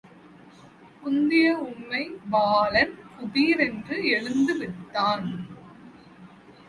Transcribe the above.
குந்திய உமைபாலன் குபிரென்று எழுந்து விட்டான்.